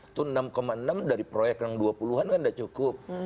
itu enam enam dari proyek yang dua puluh an kan sudah cukup